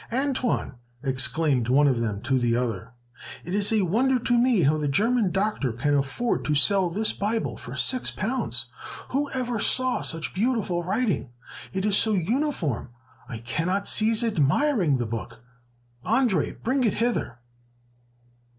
"Antoine," exclaimed one of them to the other, "it is a wonder to me how the German Doctor can afford to sell this Bible for six pounds! Who ever saw such beautiful writing? It is so uniform, I cannot cease admiring the book. Andre, bring it hither!"